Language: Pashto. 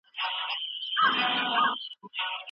دغه عمل د هغې ژوند په بشپړ ډول بدل کړ.